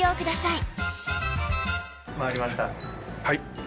はい。